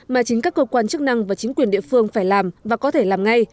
mà chính các cơ quan chức năng và chính quyền địa phương phải làm và có thể làm ngay